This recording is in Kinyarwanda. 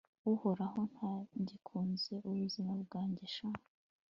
urabona ntagikunze ubuzima bwanjye sha!